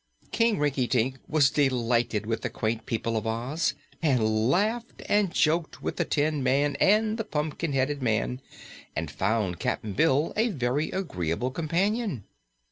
King Rinkitink was delighted with the quaint people of Oz and laughed and joked with the tin man and the pumpkin headed man and found Cap'n Bill a very agreeable companion.